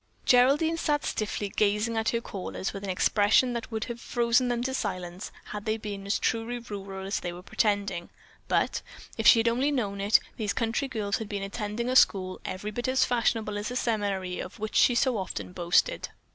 Geraldine sat stiffly gazing at her callers with an expression that would have frozen them to silence had they been as truly rural as they were pretending, but, if she had only known it, these country girls had been attending a school every bit as fashionable as the seminary of which she so often boasted.